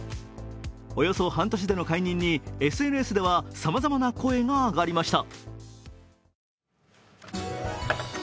およそ半年での解任にＳＮＳではさまざまな声が上がりました。